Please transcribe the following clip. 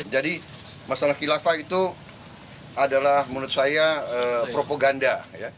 jadi masalah kilafah itu adalah menurut saya propaganda